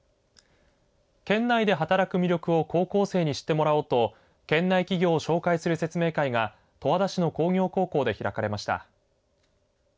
県内で働く魅力を高校生に知ってもらおうと県内企業を紹介する説明会が十和田市の工業高校で開かれました。